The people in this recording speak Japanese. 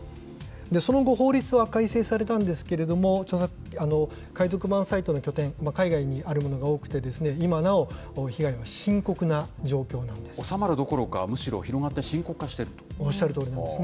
その後、法律は改正されたんですけれども、海賊版サイトの拠点、海外にあるものが多くて、今なお、収まるどころか、むしろ広がおっしゃるとおりなんです。